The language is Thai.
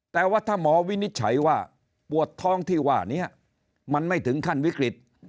แต่ว่าถ้าหมอวินิจฉัยว่าปวดท้องที่ว่านี้มันไม่ถึงขั้นวิกฤต